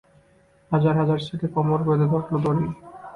হাজার হাজার ছেলে কোমর বেঁধে ধরল দড়ি।